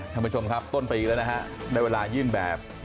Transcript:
ท่านผู้ชมครับต้นปีแล้วนะฮะได้เวลายื่นแบบ